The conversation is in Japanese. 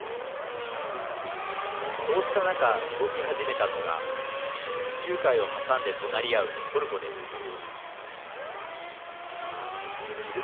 そうした中、動き始めたのが地中海を挟んで隣り合うトルコです。